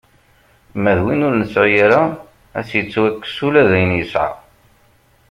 Ma d win ur nesɛi ara, ad s-ittwakkes ula d ayen yesɛa.